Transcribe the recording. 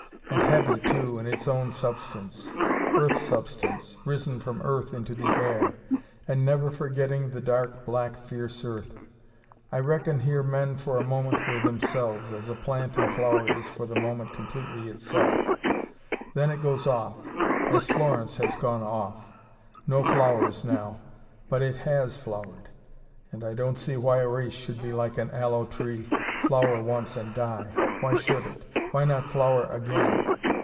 And heavy, too, in its own substance: earth substance, risen from earth into the air: and never forgetting the dark, black fierce earth I reckon here men for a moment were themselves, as a plant in flower is for the moment completely itself. Then it goes off. As Florence has gone off. No flowers now. But it HAS flowered. And I don't see why a race should be like an aloe tree, flower once and die. Why should it? Why not flower again?